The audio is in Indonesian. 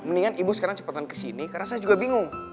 mendingan ibu sekarang cepetan kesini karena saya juga bingung